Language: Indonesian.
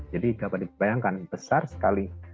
jadi nggak apa dibayangkan besar sekali